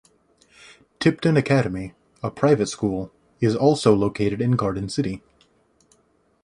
Tipton Academy, a private school, is also located in Garden City.